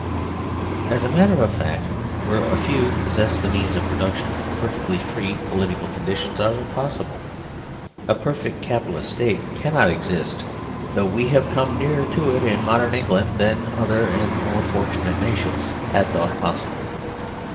As a matter of fact, where a few possess the means of production perfectly free political conditions are impossible. A perfect Capitalist State cannot exist, though we have come nearer to it in modern England than other and more fortunate nations had thought possible.